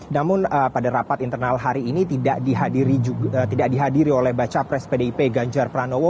namun pada rapat internal hari ini tidak dihadiri oleh baca pres pdip ganjar pranowo